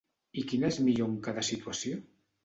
I quina és millor en cada situació?